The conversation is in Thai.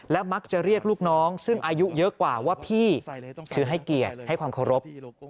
มักจะเรียกลูกน้องซึ่งอายุเยอะกว่าว่าพี่คือให้เกียรติให้ความเคารพ